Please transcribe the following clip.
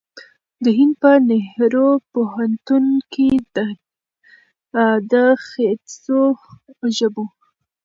د هند په نهرو پوهنتون کې د خیتځو ژبو